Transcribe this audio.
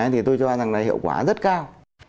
thì tôi cho rằng là hiệu quả rất cao